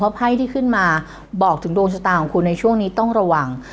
ไพ่ที่ขึ้นมาบอกถึงดวงชะตาของคุณในช่วงนี้ต้องระวัง